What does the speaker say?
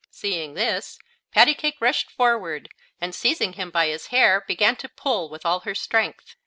Seeing this, Pattycake rushed forward and seizing him by his hair began to pull with all her strength.